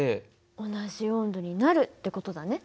同じ温度になるって事だね。